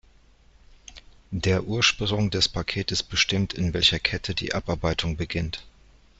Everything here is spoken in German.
Der Ursprung des Pakets bestimmt, in welcher Kette die Abarbeitung beginnt.